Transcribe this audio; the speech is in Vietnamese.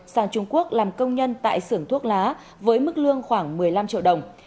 sang trung quốc làm công nhân tại xưởng thuốc lá với mức lương khoảng một mươi năm triệu đồng